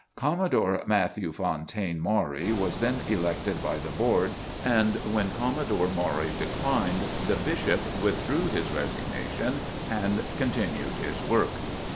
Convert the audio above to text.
Commodore Matthew Fontaine Maury was then elected by the Board, and when Commodore Maury declined, the Bishop withdrew his resignation and continued his work.